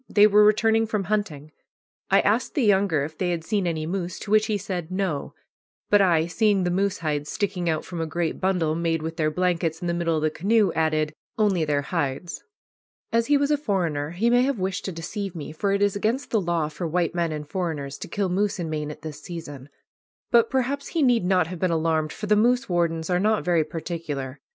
They were returning from hunting. I asked the younger if they had seen any moose, to which he said "No"; but I, seeing the moose hides sticking out from a great bundle made with their blankets in the middle of the canoe, added, "Only their hides." As he was a foreigner, he may have wished to deceive me, for it is against the law for white men and foreigners to kill moose in Maine at this season. But perhaps he need not have been alarmed, for the moose wardens are not very particular.